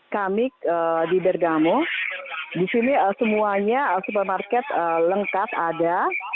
kami di bergamo di sini semuanya supermarket lengkap ada